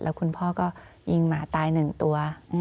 แล้วคุณพ่อก็ยิงหมาตายหนึ่งตัว